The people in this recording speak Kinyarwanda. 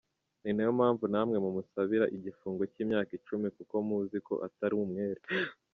Ni nayo mpamvu namwe mumusabira igifungo cy’imyaka icumi kuko muzi ko atari umwere.